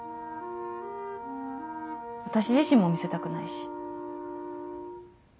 私自身も見せたくないし。